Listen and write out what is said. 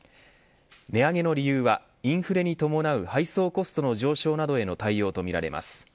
値上げの理由は、インフレに伴う配送コストの上昇などへの対応とみられます。